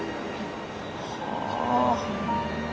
はあ。